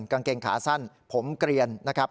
กางเกงขาสั้นผมเกลียนนะครับ